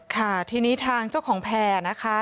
ค่ะทีนี้ทางเจ้าของแพร่นะคะ